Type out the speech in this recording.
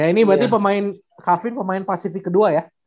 ini berarti pemain kak vin pemain pasifik kedua ya